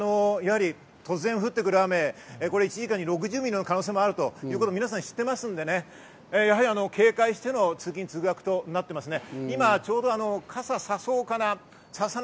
突然降ってくる雨、これ１時間に６０ミリの可能性もあるということを皆さん知っていますので、警戒しての通勤・通学となっていますね。